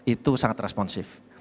itu sangat responsif